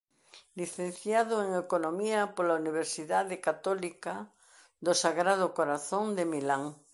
Licenciado en economía pola Universidade Católica do Sagrado Corazón de Milán.